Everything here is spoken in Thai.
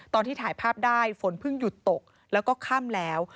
ตอนที่ถ่ายภาพได้ฝนเพิ่งหยุดตกแล้วก็ค่ำแล้ว